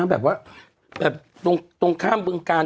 แบบว่าตรงข้ามเบื้องกาล